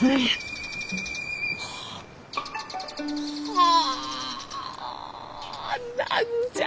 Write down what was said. はあ何じゃ？